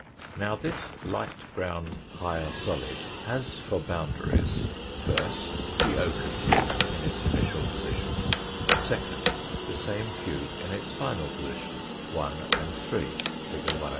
Now this light brown higher solid has for boundaries : first, the ochre cube in its initial position, second, the same cube in its final position, 1 and 3, fig. 103.